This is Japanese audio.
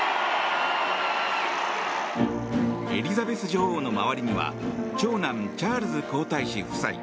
エリザベス女王の周りには長男チャールズ皇太子夫妻